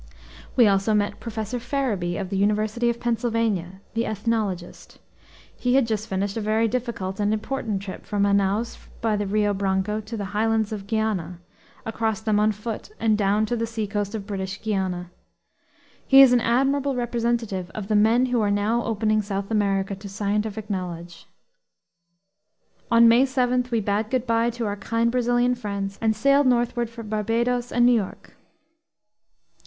We also met Professor Farrabee, of the University of Pennsylvania, the ethnologist. He had just finished a very difficult and important trip, from Manaos by the Rio Branco to the highlands of Guiana, across them on foot, and down to the seacoast of British Guiana. He is an admirable representative of the men who are now opening South America to scientific knowledge. On May 7 we bade good by to our kind Brazilian friends and sailed northward for Barbados and New York.